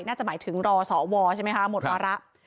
น่าจะหมายถึงรอสวใช่ไหมคะหมดวาระ